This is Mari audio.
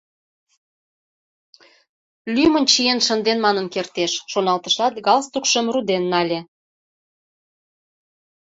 Лӱмын чиен шынден манын кертеш, — шоналтышат, галстукшым руден нале.